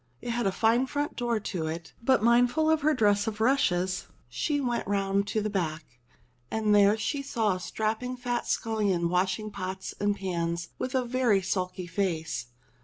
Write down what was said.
It had a fine front door to it ; but mindful of her dress of rushes she went round to the back. And there she saw a strapping fat scullion washing pots and pans with a very sulky face.